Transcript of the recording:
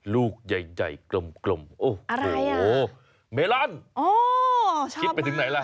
ลูกใหญ่กลมโอ้โหเมลอนคิดไปถึงไหนล่ะ